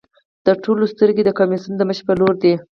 د ټولو سترګې د کمېسیون د مشر په لور دي.